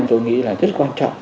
tôi nghĩ là rất quan trọng